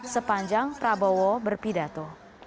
sepanjang prabowo berpidato